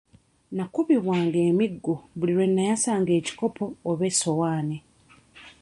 Nakubibwanga emiggo buli lwe nayasanga ekikopo oba essowaani.